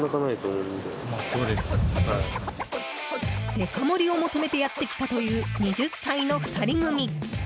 デカ盛りを求めてやってきたという２０歳の２人組。